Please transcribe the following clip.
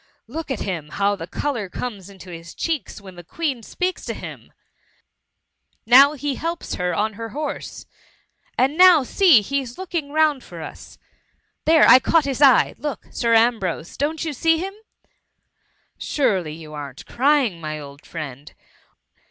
Look at him, how the colour comes into his cheeks when the Queen speaks to him ! Now he helps her on her horse— and now see, he^s looking round for us! There I caught his eye — Look, Sir Ambrose ! don't you see him? — Surely you am't crpng, my old friend?